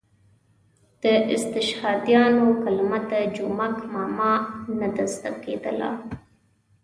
د استشهادیانو کلمه د جومک ماما ته نه زده کېدله.